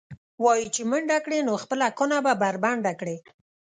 وایي چې منډه کړې، نو خپله کونه به بربنډه کړې.